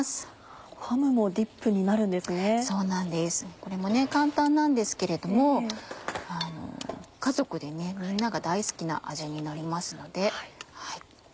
これも簡単なんですけれども家族でみんなが大好きな味になりますので。